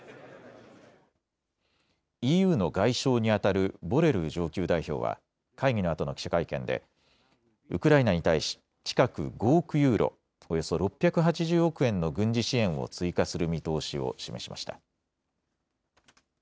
ＥＵの外相にあたるボレル上級代表は会議のあとの記者会見でウクライナに対し近く５億ユーロ、およそ６８０億円の軍事支援を追加する見通しを示しました。